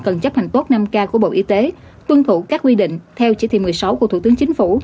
cần chấp hành tốt năm k của bộ y tế tuân thủ các quy định theo chỉ thị một mươi sáu của thủ tướng chính phủ